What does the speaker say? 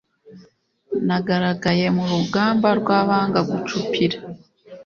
nagaragaye mu rugamba rw’abanga gucupira